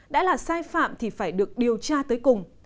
đã là sai phạm thì phải được điều tra tới cùng